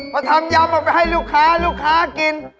พอทำยำออกไปให้ลูกค้าลูกค้ากิน